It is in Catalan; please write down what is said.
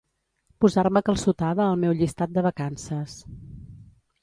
Posar-me calçotada al meu llistat de vacances.